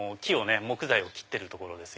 木材を切ってるところです